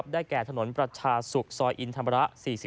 แก่ถนนประชาศุกร์ซอยอินธรรมระ๔๔